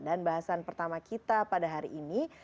dan bahasan pertama kita pada hari ini